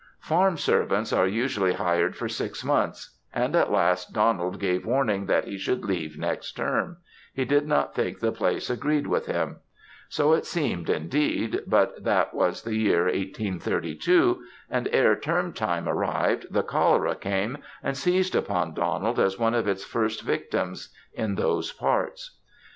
Farm servants are usually hired for six months; and at last Donald gave warning that he should leave next term he did not think the place agreed with him; so it seemed indeed; but that was the year 1832; and ere term time arrived, the cholera came, and seized upon Donald as one of its first victims in those parts.